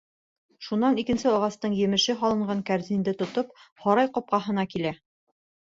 Шунан, икенсе ағастың емеше һалынған кәрзинде тотоп, һарай ҡапҡаһына килә.